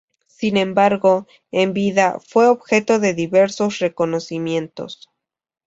Sin embargo, en vida, fue objeto de diversos reconocimientos.